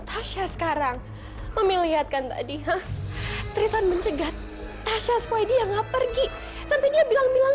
tasya sekarang memilihkan tadi tristan mencegat tasya spoy dia nggak pergi sampai dia bilang bilang